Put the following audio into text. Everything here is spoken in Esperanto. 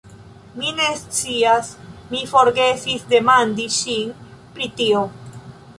Mi ne scias, mi forgesis demandi ŝin pri tio.